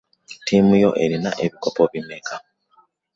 Ttiimu yo erina ebikopo bimeka.